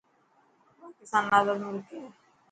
پاڪستان آزاد ملڪ هي.